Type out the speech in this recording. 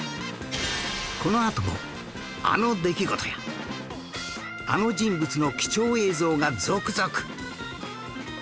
このあともあの出来事やあの人物の貴重映像が続々！